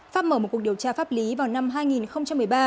pháp mở một cuộc điều tra pháp lý vào năm hai nghìn một mươi ba